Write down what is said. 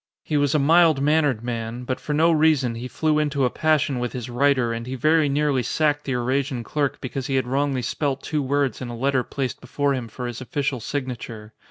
He was a mild mannered man, but for no reason he flew into a passion with his writer and he very nearly sacked the Eurasian clerk because he had wrongly spelt two words in a letter placed before him for his official signature.